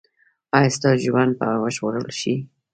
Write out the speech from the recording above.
ایا ستاسو ژوند به وژغورل شي؟